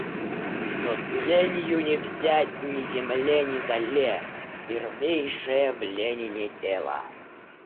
Но тленью не взять — ни земле, ни золе — первейшее в Ленине — дело.